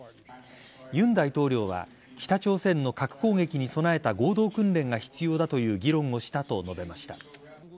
尹大統領は北朝鮮の核攻撃に備えた合同訓練が必要だという議論をしたと述べました。